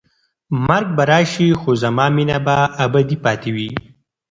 مرګ به راشي خو زما مینه به ابدي پاتې وي.